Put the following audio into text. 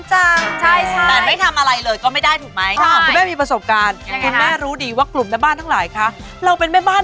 พอได้สักนั้นมองลูกวันแล้วบอกว่า